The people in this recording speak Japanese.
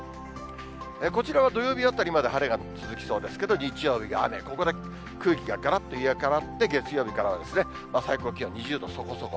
こちらは土曜日あたりまで晴れが続きそうですけど、日曜日は雨、ここで空気ががらっと入れ代わって月曜日からは最高気温２０度そこそこ。